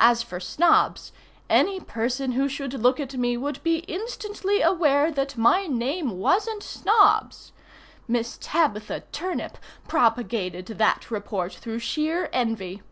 As for Snobbs—any person who should look at me would be instantly aware that my name wasn't Snobbs. Miss Tabitha Turnip propagated that report through sheer envy.